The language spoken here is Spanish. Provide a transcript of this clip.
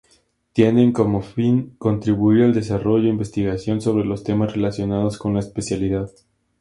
Tienen como fin contribuir al desarrollo, investigación sobre los temas relacionados con la especialidad.